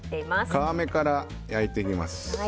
皮目から焼いていきます。